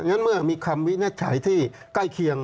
อย่างนั้นเมื่อมีคำวินิจฉัยที่ใกล้เคียง